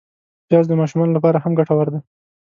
پیاز د ماشومانو له پاره هم ګټور دی